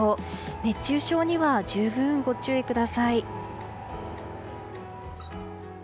熱中症には十分ご注意ください。